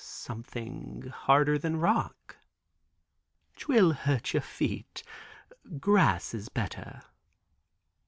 "Something harder than rock." "'Twill hurt your feet; grass is better."